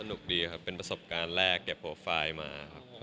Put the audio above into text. คดีครับเป็นประสบการณ์แรกเก็บโปรไฟล์มาครับ